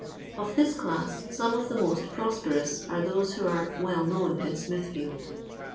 Of this class some of the most prosperous are those who are " well known in Smithfield."